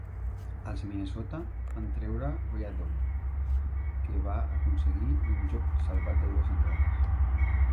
Els Minnesota van treure Reardon, que va aconseguir un joc salvat de dues entrades.